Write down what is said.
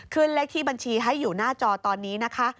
เลขที่บัญชีให้อยู่หน้าจอตอนนี้นะคะ